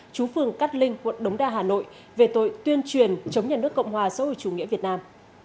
chú phường cát linh quận đống đa hà nội về tội tuyên truyền chống nhà nước cộng hòa xã hội chủ nghĩa việt nam